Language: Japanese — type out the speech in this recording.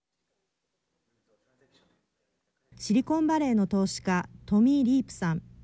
シリコンバレーの投資家トミー・リープさん。